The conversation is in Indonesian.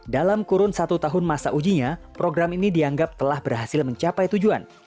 dalam kurun satu tahun masa ujinya program ini dianggap telah berhasil mencapai tujuan